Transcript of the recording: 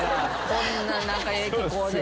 こんなええ気候で。